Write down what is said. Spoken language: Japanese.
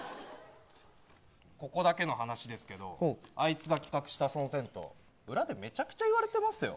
ここだけの話ですけどあいつが企画したそのテント裏でめちゃくちゃ言われてますよ。